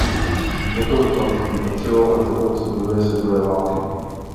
Jí potom panství patřilo až do konce druhé světové války.